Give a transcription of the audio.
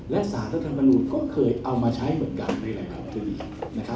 และสารทธรรมนุษย์ก็เคยเอามาใช้เหมือนกันในหลายประเทศดี